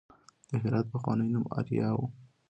د هرات پخوانی نوم اریا و